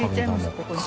ここに。